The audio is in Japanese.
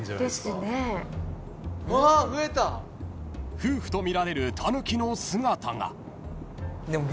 ［夫婦とみられるタヌキの姿が］